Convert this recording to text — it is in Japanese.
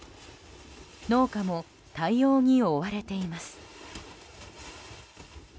農家も対応に追われています。